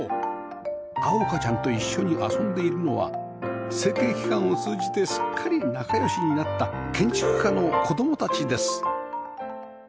碧海ちゃんと一緒に遊んでいるのは設計期間を通じてすっかり仲良しになった建築家の子供たちです